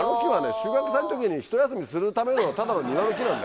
収穫祭の時にひと休みするためのただの庭の木なんだよ。